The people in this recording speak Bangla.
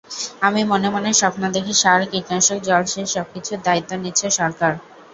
আমি মনে মনে স্বপ্ন দেখি, সার, কীটনাশক, জলসেচ সবকিছুর দায়িত্ব নিচ্ছে সরকার।